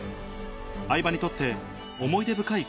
相葉にとって思い出深い